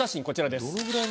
こちらです。